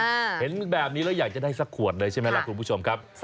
เห็นแบบนี้แล้วอยากจะได้สักขวดเลยใช่ไหมล่ะคุณผู้ชมครับ